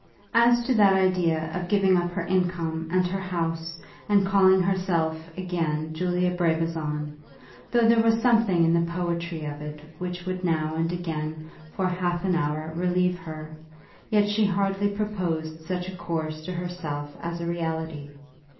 As to that idea of giving up her income and her house, and calling herself again Julia Brabazon, though there was something in the poetry of it which would now and again for half an hour relieve her, yet she hardly proposed such a course to herself as a reality.